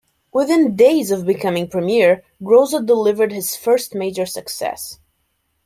Within days of becoming premier, Groza delivered his first major success.